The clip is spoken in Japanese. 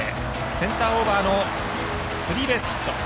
センターオーバーのスリーベースヒット。